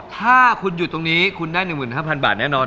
ถ้าคุณหยุดตรงนี้คุณได้๑๕๐๐บาทแน่นอน